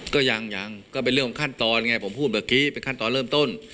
ก็ยังยังก็เป็นเรื่องของขั้นตอนไงผมพูดเมื่อกี้เป็นขั้นตอนเริ่มต้น